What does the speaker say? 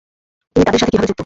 তুমি তাদের সাথে কীভাবে যুক্ত?